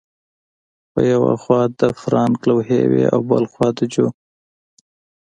په یوه خوا د فرانک لوحې وې او بل خوا د جو